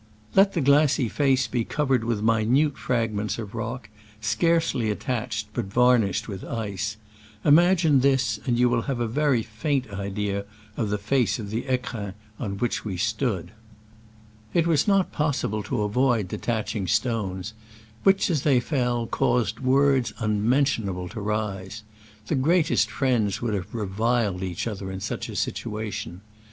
Let the glassy face be covered with minute fragments of rock, scarcely attached, but varnished with ice : imag ine this, and then you will have a very faint idea of the face of the fecrins on which we stood. It was not possible to avoid detaching stones, which, as they Digitized by Google SCRAMBLES AMONGST THE ALPS IN i86o '69. 87 fell, caused words unmentionable to rise. The greatest friends would have reviled each other in such a situation.